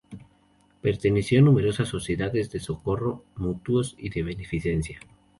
Perteneció a numerosas sociedades de Socorros Mutuos y de Beneficencia.